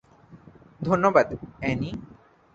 ধন্যবাদ, অ্যানি।